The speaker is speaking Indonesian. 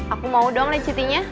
aku mau dong lekitinya